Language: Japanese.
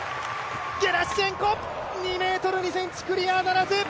ゲラシュチェンコ、２ｍ２ｃｍクリアならず！